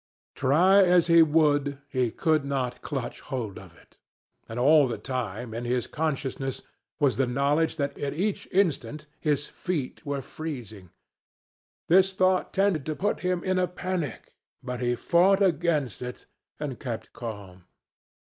Try as he would, he could not clutch hold of it. And all the time, in his consciousness, was the knowledge that each instant his feet were freezing. This thought tended to put him in a panic, but he fought against it and kept calm.